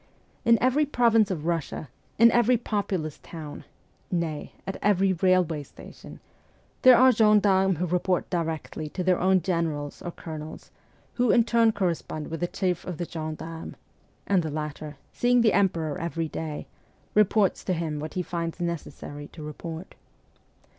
In every province of Russia, in every populous town, nay, at every railway station, there are gendarmes who report directly to their own generals or colonels, who in turn correspond with the chief of the gen darmes; and the latter, seeing the Emperor every day, reports to him what he finds necessary to report.